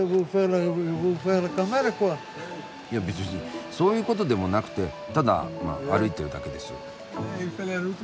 いや別にそういうことでもなくてただまぁ歩いてるだけです。